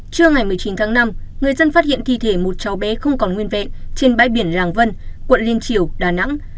trưa ngày một mươi chín tháng năm người dân phát hiện thi thể một cháu bé không còn nguyên vẹn trên bãi biển làng vân quận liên triều đà nẵng